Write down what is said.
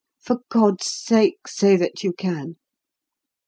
For God's sake, say that you can."